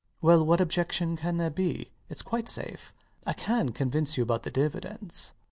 LOUIS. Well, what objection can there be? It's quite safe. I can convince you about the dividends.